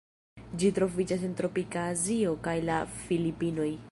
Ĝi troviĝas en tropika Azio kaj la Filipinoj.